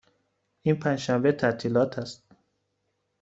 این پنج شنبه تعطیلات است.